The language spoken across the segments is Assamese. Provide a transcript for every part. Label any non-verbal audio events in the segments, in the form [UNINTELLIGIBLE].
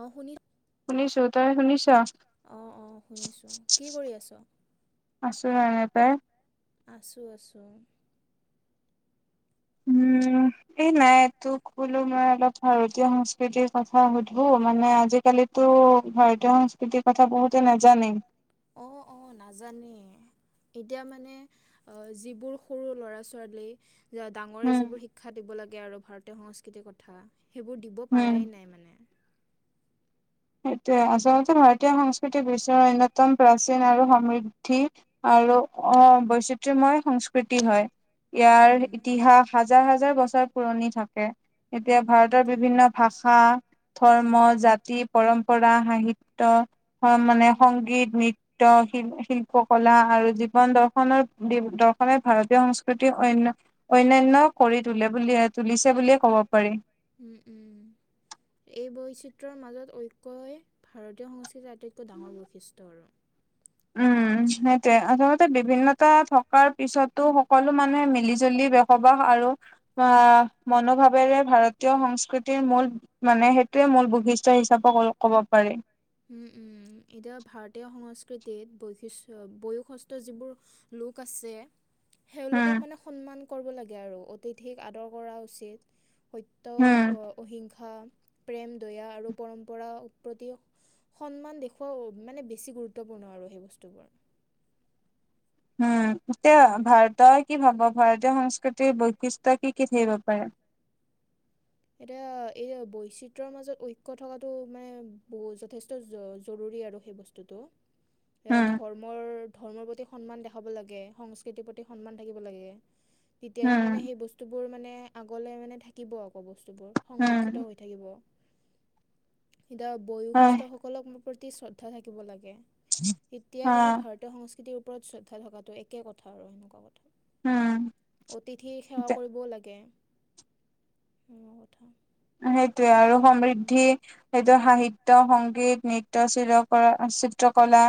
অ' শুনি শুনিছো। তই শুনিছ? অ', অ' শুনিছো। কি কৰি আছ? আছোঁ এনে, তই? আছোঁ আছোঁ। [INAUDIBLE] এই নাই তোক বুলো মই অলপ ভাৰতীয় সংস্কৃতিৰ কথা সুধো মানে আজিকালিত তো ভাৰতীয় সংস্কৃতিৰ কথা বহুতে নাজানেই। অ', অ' নাজানে। এতিয়া মানে যিবোৰ সৰু ল'ৰা ছোৱালী ডাঙৰে যিবোৰ শিক্ষা দিব লাগে আৰু ভাৰতীয় সংস্কৃতিৰ কথা। সেইবোৰ দিব পৰাই নাই মানে। এইটোৱে, আচলতে ভাৰতীয় সংস্কৃতি বিশ্বৰ অন্যতম প্ৰাচীন আৰু সমৃদ্ধি আৰু অ' বৈচিত্ৰময় সংস্কৃতি হয়। ইয়াৰ ইতিহাস হাজাৰ হাজাৰ বছৰ পুৰণি থাকে। এতিয়া ভাৰতৰ বিভিন্ন ভাষা, ধৰ্ম, জাতি, পৰম্পৰা, সাহিত্য ত মানে সংগীত, নৃত্য শ শিল্পকলা আৰু যি বন দৰ্শনৰ দি দৰ্শনে ভাৰতীয় সংস্কৃতিৰ অন্য অন্যান্য কৰি তোলে বুলিয়ে তুলিছে বুলিয়ে ক'ব পাৰি। উম, উম, এই বৈচিত্ৰৰ মাজত ঐক্যই ভাৰতীয় সংস্কৃতিৰ আটাইতকৈ ডাঙৰ বৈশিষ্ট্য আৰু উম, সেইটোৱে। আচলতে বিভিন্নতা থকাৰ পিছতো সকলো মানুহে মিলি জুলি বসবাস আৰু বা মনোভাৱেৰে ভাৰতীয় সংস্কৃতিৰ মূল মানে সেইটোৱে মূল বৈশিষ্ট্য হিচাপে ক'ব পাৰি। উম, উম, এতিয়া ভাৰতীয় সংস্কৃতিত বৈশিষ্ট বশিষ্ট যিবোৰ লোক আছে হেওঁলোকক মানে সন্মান কৰিব লাগে আৰু অতিতিক আদৰ কৰা উচিত। সত্যৰ অহিংসা প্ৰেম দয়া আৰু পৰম্পৰা উৎপত্তি সন্মান দেখুওৱা উ, মানে বেছি গুৰুত্বপূৰ্ণ আৰু সেই বস্তুবোৰ। উম, এতিয়া ভাৰতৰ কি ভাব ভাৰতীয় সংস্কৃতিৰ বৈশিষ্ট্যৰ কি কি থাকিব পাৰে? এতিয়া এই বৈচিত্ৰৰ মাজত ঐক্য থকাটো মানে বহু যথেষ্ট জৰুৰী আৰু। সেই বস্তুটো। সেয়া ধৰ্মৰ ধৰ্ম প্ৰতি সন্মান দেখাব লাগে, সংস্কৃতিৰ প্ৰতি সন্মান থাকিব লাগে, তেতিয়াহে মানে সেই বস্তু বস্তুবোৰ মানে আগলে মানে থাকিব আকৌ বস্তুবোৰ সংৰক্ষিত হৈ থাকিব। এতিয়া বয়স্কৰসকল সকলৰ প্ৰতি শ্ৰদ্ধা থাকিব লাগে, এতিয়া মানে ভাৰত সংস্কৃতিৰ ওপৰত শ্ৰদ্ধা থকাটো একে কথা আৰু এনেকুৱা কথা। অতিথি সেৱা কৰিবও লাগে। মনৰ কথা। সেইটোয়ে আৰু সমৃদ্ধি সেইটো সাহিত্য সংগীত নৃত্যয় শিৰক। কৰা চিত্ৰকলা।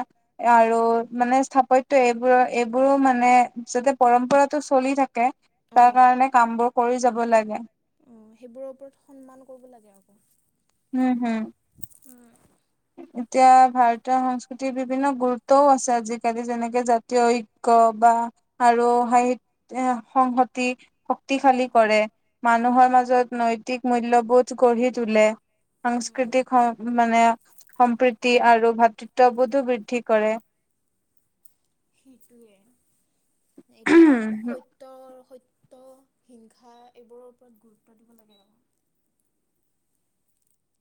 আৰু মানে স্থাপত্য এইবোৰৰ এইবোৰো মানে যাতে পৰম্পৰাটো চলি থাকে। তাৰ কাৰণে কামবোৰ কৰি যাব লাগে। সেইবোৰৰ ওপৰত সন্মান কৰিব লাগে আকৌ। উম, হুম। উম। এতিয়া ভাৰতীয় সংস্কৃতিৰ বিভিন্ন গুৰুত্বও আছে আজিকালি যেনেকে জাতীয় ঐক্য। বা আৰু সাহিত্য সংহতি। শক্তিশালী কৰে, মানুহৰ মাজত নৈতিক মূল্যবোধ গঢ়ি তোলে। সাংস্কৃতিক মানে সম্প্ৰীতি আৰু ভাতৃত্ববোধো বৃদ্ধি কৰে। সেইটোৱে এতিয়া সত তৰ সত্য হিংসা এইবোৰৰ ওপৰত গুৰুত্ব দিব লাগে আৰু।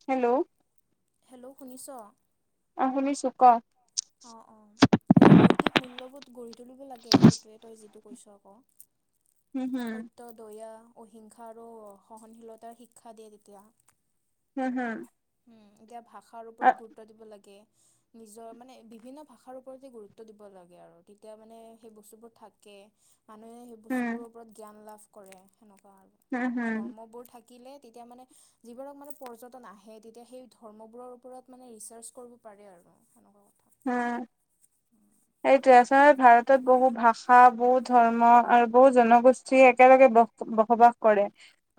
হেল্ল'। হেল্ল'শুনিছ? অ', শুনিছোঁ ক? অ', অ'সেইটো নৈতিক মূল্যবোধ গঢ়ি তুলিব লাগে সেইটোয়ে তই যিটো। পইচা ক। হুম, হুম। দয়া অহিংসা আৰু সহনশীলতাৰ শিক্ষা দিয়ে তেতিয়া। হম, হুম। উম, এতিয়া ভাষাৰ ওপৰত গুৰুত্ব দিব লাগে। নিজৰ মানে বিভিন্ন ভাষাৰ ওপৰতে গুৰুত্ব দিব লাগে আৰু তেতিয়া মানে সেই বস্তুবোৰ থাকে। মানুহে সেই বস্তুবোৰৰ ওপৰত জ্ঞান লাভ কৰে সেনেকুৱা আৰু ধৰ্মবোৰ থাকে। থাকিলে তেতিয়া মানে যিবোৰক মানে পৰ্যটন আহে। সেই তেতিয়া সেই ধৰ্মবোৰৰ ওপৰত মানে ৰিচাৰ্চ কৰিব পাৰে আৰু সেনেকুৱা। উম। এইটোৱে আচলতে ভাৰতত বহু ভাষা, বহু ধৰ্ম আৰু বহু জনগোষ্ঠী একেলগে বস বসবাস কৰে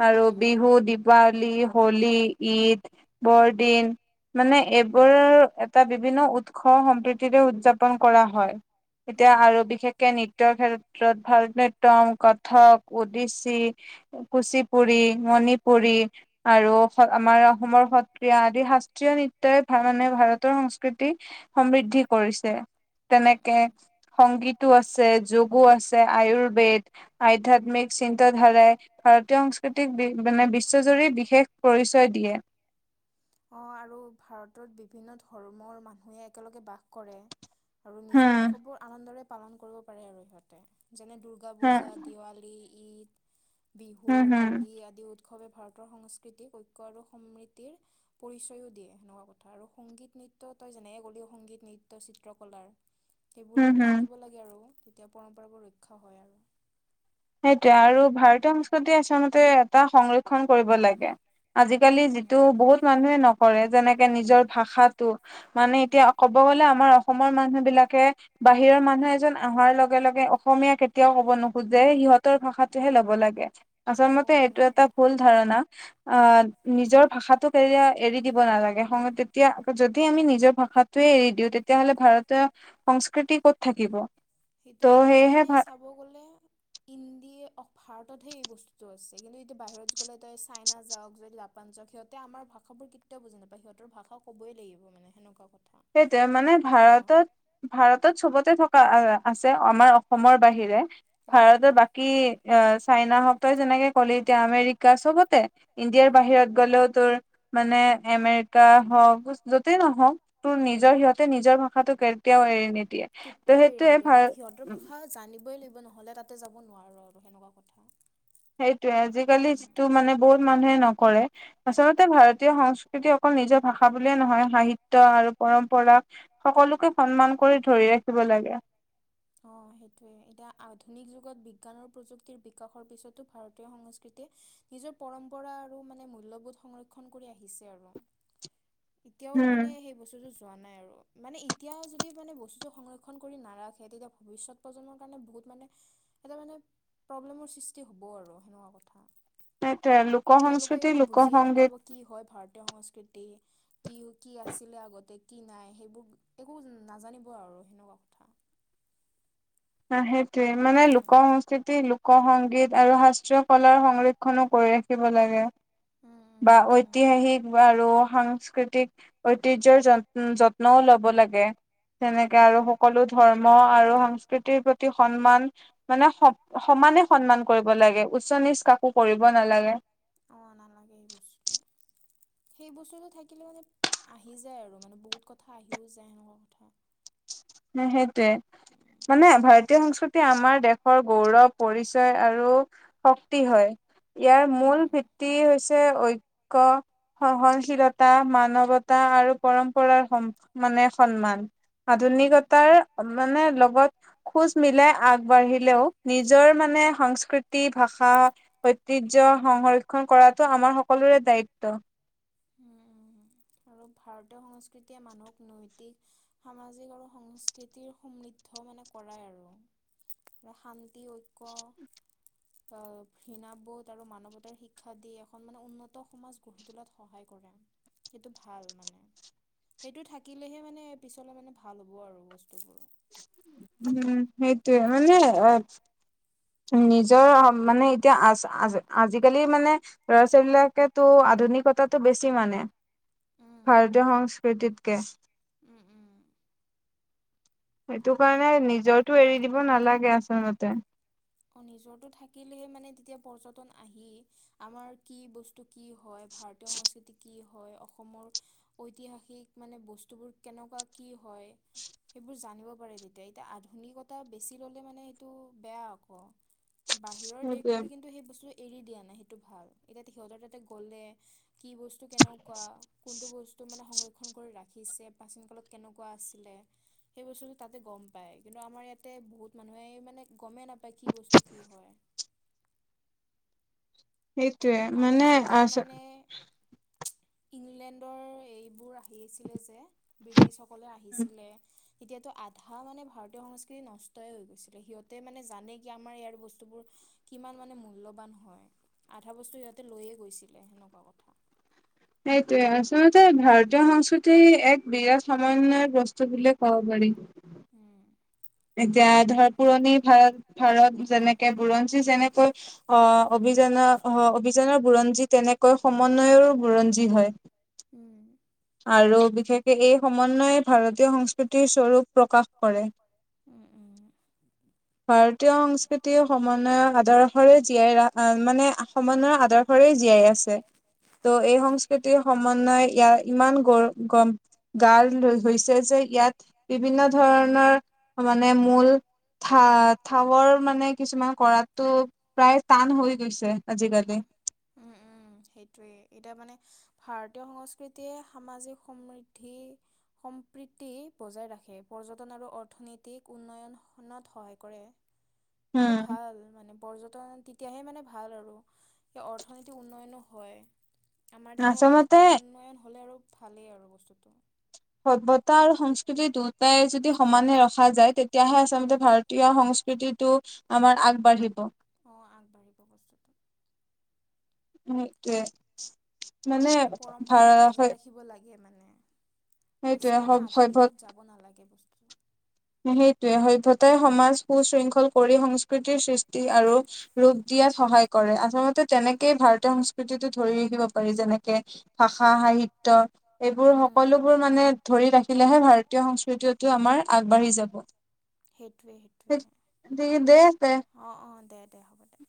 আৰু বিহু, দীপাৱলী, হোলী ঈদ, বৰদিন মানে এইবোৰৰ এটা বিভিন্ন উৎসৱ। স সম্প্ৰীতিৰে উদযাপন কৰা হয় এতিয়া আৰু বিশেষকে নৃত্যৰ ক্ষেত্ৰত। ভাৰত নট্যম, কথক উদিশি। কুচিপুৰী, মণিপুৰী। আৰু আমাৰ অসমৰ সত্ৰিয়া আদি শাস্ত্ৰীয় নৃত্যই মানে ভাৰতৰ সংস্কৃতি সমৃদ্ধি কৰিছে তেনেকে। সংগীতো আছে যোগো আছে আয়ুৰ্বেদ আধ্যাত্মিক চিন্তাধাৰা। ভাৰতীয় সংস্কৃতিক মানে বিশ্বজুৰি বিশেষ পৰিচয় দিয়ে। অ', আৰু ভাৰতত বিভিন্ন ধৰ্মৰ মানুহে একেলগে বাস কৰে। আৰু নিজৰ উৎসৱবোৰ আনন্দৰে পালন কৰিব পাৰে আৰু সিহঁতে যেনে দুৰ্গা পূজা, দেৱালী। ঈদ, বিহু, হলি আদি উৎসৱ। উৎসৱে ভাৰতৰ সংস্কৃতিক ঐক্য আৰু সমৃদ্ধিৰ পৰিচয়ো দিয়ে সেনেকুৱা কথা আৰু সংগীত নৃত্য তই যেনেকৈ ক'লি সংগীত নৃত্য চিত্ৰকলাৰ। সেইবোৰ থাকিব লাগে আৰু তেতিয়া পৰম্পৰাবোৰ ৰক্ষা হয় আৰু। সেইটোৱে আৰু ভাৰতীয় সংস্কৃতি আচলতে এটা সংৰক্ষণ কৰিব লাগে। আজিকালি যিটো বহুত মানুহে নকৰে যেনেকে নিজৰ ভাষা। তো মানে এতিয়া ক'ব গলে আমাৰ অসমৰ মানুহ বিলাকে বাহিৰৰ মানুহ এজন অহাৰ লগে, লগে অসমীয়া কেতিয়াও ক'ব নোখোজে। যে সিহঁতৰ ভাষাটোহে ল'ব লাগে। আচল মতে এইটো এটা ভুল ধাৰণা আহ নিজৰ ভাষটোক এয়া এৰি দিব নালাগে তেতিয়া, যদি আমি নিজৰ ভাষাটোৱে এৰি দিওঁ তেতিয়াাহ'লে ভাৰতে সংস্কৃতি ক'ত থাকিব। সেইটো এতিয়া মানে চাব গ'লে ইণ্ডিয় ভাৰততহে এই বস্তুটো আছে। কিন্তু এতিয়া বাহিৰত গ'লে তই চাইনা যাওক যদি লাভ পা সিহঁতে আমাৰ ভাষাোৰ কেয়াও বুজি নাপায় সিহঁৰ ভাষ কবই লাগিব সেনেকুৱ কথা। সেইটোৱে মানে ভাৰতত ভাৰতত চবতে থকা আছে, আমাৰ অসমৰ বাহিৰে। ভাৰতৰ বাকী অ চাইনা সকেই যেনেকে কলি এতিয়া আমেৰিকা শা চবতে ইণ্ডিয়াৰ বাহিৰত গ'লেও তোৰ মানে আমেৰিকা হওক যতেই নহওক তোৰ নিজৰ সিহঁতে নিজৰ ভাষাটো কেতিয়াও এৰি নিদিয়ে। ত সেইটোয়ে ভাল জানিবই লাগিব নহ'লে তাতে যাব নোৱাৰো আৰু সেনেকোৱা কথা। সেইটোৱে আজিকালি যিটো মানে বহুত মানুহে নকৰে আচলতে ভাৰতীয় সংস্কৃতি অকল নিজৰ ভাষা বুলিয়ে নহয়, সাহিত্য আৰু পৰম্পৰা সকলোকে সন্মান কৰি ধৰি ৰাখিব লাগে। অ', সেইটোৱে এতিয়া আধুনিক যুগত বিজ্ঞান আৰু প্ৰযুক্তিৰ বিকাশৰ পিছতো, ভাৰতীয় সংস্কৃতিয়ে নিজৰ পৰম্পৰা আৰু মানে মূল্যবোধ সংৰক্ষণ কৰি আহিছে আৰু। এতিয়াও মানে সেই বস্তুটো যোৱা নাই, মানে এতিয়া যদি মানে বস্তুটো সংৰক্ষণ কৰি নাৰাখে তেতিয়া ভৱিষ্যত প্ৰজন্মৰ কাৰণে বহুত মানে এটা মানে প্ৰব্লেমৰ সৃষ্টি হ'ব আৰু সেনেকুৱা কথা। তাকেই লোক তেওঁলোকে একো বুজিয়ে নাপাব কি হয় ভাৰতীয় সংস্কৃতি কি কি আছিলে আগতে। কি নাই সেইবোৰ একো নাজানিব আৰু সেনেকুৱা কথা। সেইটোৱে মানে লোক সংস্কৃতি লোক সংগীত আৰু শাস্ত্ৰীয় কলাৰ সংৰক্ষণো কৰি ৰাখিব লাগে। বা ঐতিহাসিক আৰু সাংস্কৃতিক ঐতিহ্যৰ যত-যত্নও ল'ব লাগে। তেনেকে আৰু সকলো ধৰ্ম আৰু সংস্কৃতিৰ প্ৰতি সন্মান মানে, সম-সমানে সন্মান কৰিব লাগে উচ্চ নিচ কাকো কৰিব নালাগে। অ', নালাগে এই বস্তুটো। সেই বস্তুতটো থাকিলে মানে আহি যায় আৰু মানে বহুত কথা আহিও যায় সেনেকোৱা কথা। উম সেইটোৱে মানে ভাৰত ভাৰতীয় সংস্কৃতি আমাৰ দেশৰ গৌৰৱ পৰিচয় আৰু শক্তি হয়। ইয়াৰ মূল ভিত্তি হৈছে ঐক্য। সহনশীলতা মানৱতা আৰু পৰম্পৰাৰ মানে সন্মান। আধুনিকতাৰ মানে লগত খোজ মিলাই আগবাঢ়িলেও নিজৰ মানে, সংস্কৃতি ভাষা ঐতিহয় সংৰক্ষন কৰাটো আমাৰ সকলোৰে দায়িত্ব। উম উম। আৰু ভাৰতীয় সংস্কৃতিয়ে মানুহক নৈতিক সামাজিক আৰু সংস্কৃতিৰ সমৃদ্ধ মানে কৰায় আৰু। শান্তি ঐক্য অহ ঘৃণাাবোধ আৰু মানৱতাৰ শিক্ষা দি এখন মানে উন্নত সমাজ গঢ়ি তোলাত সহায় কৰে। ভাল মানে সেইটো থাকিলেহে মানে পিছলে মানে ভাল হ'ব আৰু বস্তুবোৰ। উম সেইটোৱে মানে। নিজৰ মানে এতিয়া আ আজিকালি মানে ল'ৰা ছোৱালী বিলাকেতো আধুনিকতাটো বেছি মানে। ভাৰতীয় সংস্কৃতিতকে। উম, উম, সেইটো কাৰণে নিজৰটো এৰি দিব নালাগে আচলতে। অ, নিজৰটো থাকিলেহে মানে তেতিয়া পৰ্যটন আহি আমাৰ কি বস্তু টো কি হয়, ভাৰতীয় সংস্কৃতি কি হয়, অসমৰ। ঐতিহাসিক মানে বস্তুবোৰ কেনেকুৱা কি হয়। সেইবোৰ জানিব পাৰে তেতিয়া এতিয়া আধুনিকতা বেছি ল'লে মানে সেইটো বেয়াক। অ, বাহিৰৰ দেশবোৰে কিন্তু সেই বস্তু এৰি দিয়া নাই সেইটো ভাল, এতিয়া সিহঁতৰ তাতে গ'লে কি বস্তু কেনেকুৱা কোনটো বস্তু টো, মানে সংৰক্ষণ কৰি ৰাখিছে প্ৰাচীন কালত কেনেকুৱা আছিলে। সেই বস্তুটো তাতে গম পাই, কিন্তু আমাৰ ইয়াতে বহুত মানুহে মানে গমেই নাপায়। বা কি বস্তু কি হয়। সেইটোৱে মানে আয়ছা ইংলেণ্ডৰ এইবোৰ আহি আছিলে যে ব্ৰিটিছসকলে আহিছিলে। এতিয়াতো আধা মানে ভাৰতীয় সংস্কৃতি নষ্টে হৈ গৈছিলে, সিহঁতে মানে জানে কি আমাৰ ইয়াৰ বস্তুবোৰ। কিমান মানে মূলবান হয়, আধা বস্তু সিহঁতে লৈয়ে গৈছিলে সেনেকুৱা কথা। সেইটোৱে আচতে ভা সংস্কৃতি এক বিৰাট সমন্বয়ৰ বস্তু বুলিয়ে ক'ব পাৰি। উম, এতিয়া ধৰ পুৰণি ভাৰ ভাৰত যেনেকে বুৰঞ্জী যেনেকৈ। অ, অভিযানৰ আহ অভিযানৰ বুৰঞ্জী তেনেকৈ সমন্বয়ৰ বুৰঞ্জী হয়। উম, আৰু বিশেষকে এই সমন্বয়ে ভাৰতীয় সংস্কৃতিৰ স্বৰূপ প্ৰকাশ কৰে। উম, উম, ভাৰতীয় সংস্কৃতি সমন্বয়ৰ আদৰ্শৰে জীয়াই ৰা মানে সমন্বয়ৰ আদৰ্শ। ঘৰে জীয়াই আছে ত' এই সংস্কৃতিৰ সমনয় ইয়াৰ। ইমান গ, গম গ হৈছে যে ইয়াত বিভিন্ন ধৰণৰ। মানে মূল থা, থাৱৰ মানে কিছুমান কৰাটো। প্ৰায় টান হৈ গৈছে আজিকালি। সেইটোয়ে এতিয়া মানে ভাৰতীয় সংস্কৃতিয়ে সামাজিক সমৃদ্ধি। সম্প্ৰীতি বজাই ৰাখে পৰ্যটন আৰু অৰ্থনীতিক উন্নয়নখনত সহায় কৰে। সেইটো ভাল মানে। পৰ্যটন তেতিয়াহে মানে ভাল আৰু স অৰ্থনীতি উন্নয়নো হয়। আমাৰ দেশৰ উন্নয়ন হ'লে আৰু ভালেই আৰু বস্তুটো। সভ্যতা আৰু সংস্কৃতিটোত তাই যদি সমানে ৰখা যায় তেতিয়াহে, আচলতে ভাৰতীয় সংস্কৃতিত। টো, আমাৰ আগবাঢ়িব। অ, আগবাঢ়িব বস্তুটো। [UNINTELLIGIBLE] ৰাখিব লাগে মানে বেছি মানে আধুনিকত যাব নালাগে বস্তু। সেইটোৱেই সভ্যতাই সমাজ সুশৃংখল কৰি সংস্কৃতিৰ সৃষ্টি আৰু। ৰূপ দিয়াত সহায় কৰে, আচলতে তেনেকেই ভাৰতীয় সংস্কৃতিটো ধৰি ৰাখিব পাৰি যেনেকে। ভাষা সাহিত্য। এইবোৰ সকলোবোৰ মানে ধৰি ৰাখিলেহে ভাৰতীয় সংস্কৃতিতো আমাৰ আগ [UNINTELLIGIBLE] অ, অ, দে দে হ'ব দে।